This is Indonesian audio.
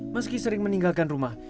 meski sering meninggalkan rumah